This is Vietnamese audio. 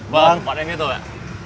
vâng bọn em biết rồi ạ